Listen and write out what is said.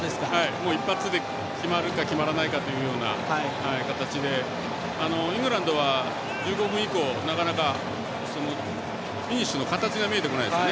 一発で決まるか決まらないかというような形でイングランドは１５分以降なかなか、フィニッシュの形が見えてこないですね。